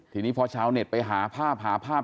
ทีนี้พอชาวเน็ตไปหาภาพหาภาพ